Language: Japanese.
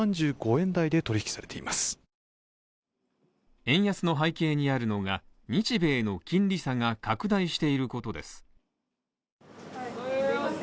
円安の背景にあるのが、日米の金利差が拡大していることです。